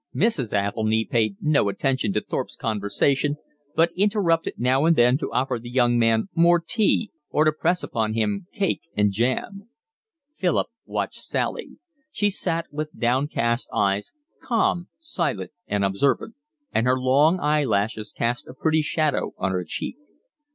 Mrs. Athelny paid no attention to Thorpe's conversation, but interrupted now and then to offer the young man more tea or to press upon him cake and jam. Philip watched Sally; she sat with downcast eyes, calm, silent, and observant; and her long eye lashes cast a pretty shadow on her cheek.